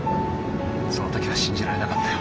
その時は信じられなかったよ。